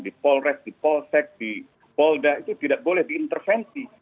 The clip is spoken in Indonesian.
di polres di polsek di polda itu tidak boleh diintervensi